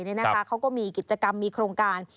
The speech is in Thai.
นี่นะคะเขาก็มีกิจกรรมมีโครงการ